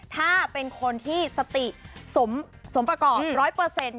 ถ้าเป็นคนที่สติสมประกอบ๑๐๐